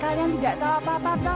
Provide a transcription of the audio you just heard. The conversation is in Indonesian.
kalian tidak tahu apa apa